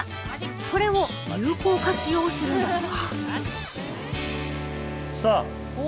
これを有効活用するんだとか。